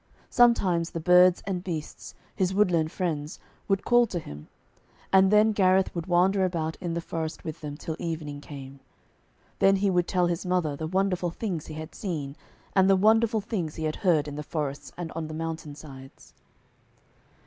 Sometimes the birds and beasts, his woodland friends, would call to him, and then Gareth would wander about in the forest with them till evening came. Then he would tell his mother the wonderful things he had seen, and the wonderful things he had heard in the forests and on the mountain sides.